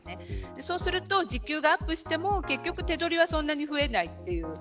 そうすると時給がアップしても結局手取りはそんなに増えないという。